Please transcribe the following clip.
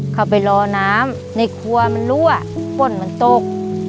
เข้าไปรอน้ำในครัวมันรั่วป้นมันตก